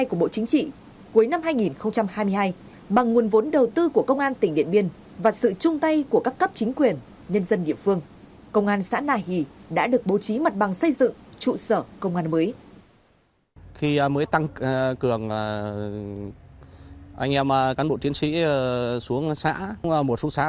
cuối năm hai nghìn hai mươi hai bằng nguồn vốn đầu tư của công an tỉnh điện biên và sự chung tay của các cấp chính quyền nhân dân địa phương công an xã nà hỷ đã được bố trí mặt bằng xây dựng trụ sở công an mới